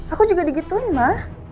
aku juga digituin ma